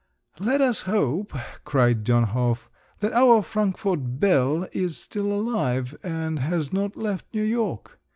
"Let us hope," cried Dönhof, "that our Frankfort belle is still alive and has not left New York!